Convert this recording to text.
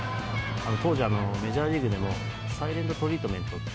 当時メジャーリーグでもサイレントトリートメント。